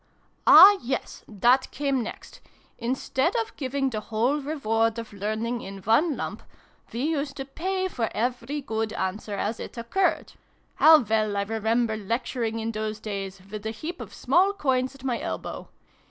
"Ah, yes! that came next. Instead of giving the whole reward of learning in one lump, we used to pay for every good answer as it occurred. How well I remember lecturing in those days, with a heap of small coins at my elbow!